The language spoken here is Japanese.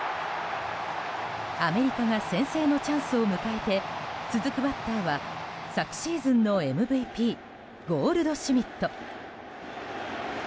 アメリカが先制のチャンスを迎えて、続くバッターは昨シーズンのＭＶＰゴールドシュミット。